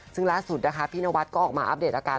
ซึ่งล่าสุดนะคะพี่นวัดก็ออกมาอัปเดตอาการ